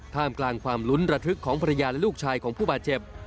ท่ามกลางความลุ้นระทึกของภรรยาและลูกชายของผู้บาดเจ็บ